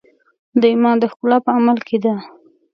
د ایمان ښکلا په عمل کې ده.